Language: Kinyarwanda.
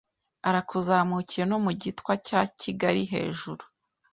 Arakuzamukiye no mu Gitwa cya Kigali , hejuru